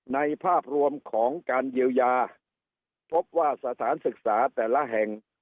ภาพรวมของการเยียวยาพบว่าสถานศึกษาแต่ละแห่ง